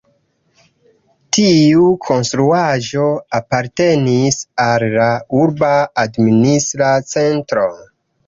Tiu konstruaĵo apartenis al la urba administra centro.